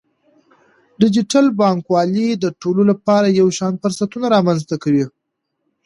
ډیجیټل بانکوالي د ټولو لپاره یو شان فرصتونه رامنځته کوي.